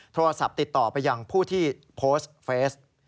โทรศัพท์ติดต่อไปยังผู้ที่โพสต์เฟส